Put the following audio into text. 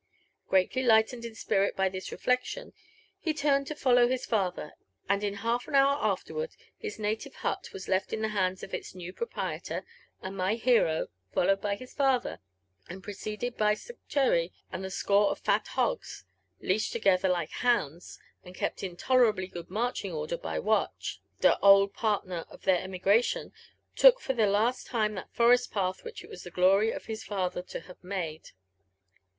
Greatly lightened in spirit by this reQeclion, he turned to follow his father, and in half an hour afterward his native hut was left in the hands of its new proprietor, and my hero, followed by his father, and pre ceded by Sue cherry and a score of fat hogs, leashed together like hounds, and kept in tolerably good marching order by Watch, tho old partner of their emigration, took for Ihe last time that forest path which it was the glory of his father to have made.